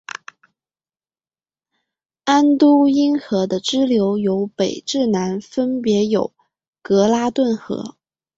安都因河的支流由北至南分别有格拉顿河。